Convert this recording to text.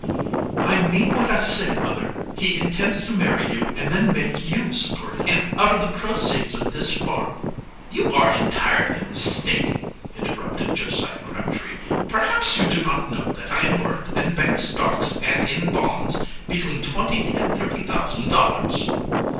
"I mean what I say, mother. He intends to marry you and then make you support him, out of the proceeds of this farm." "You are entirely mistaken," interrupted Josiah Crabtree. "Perhaps you do not know that I am worth, in bank stocks and in bonds, between twenty and thirty thousand dollars."